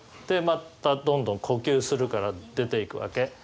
でまたどんどん呼吸するから出ていくわけ。